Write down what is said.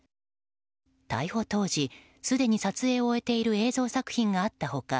逮捕当時、すでに撮影を終えている映像作品があった他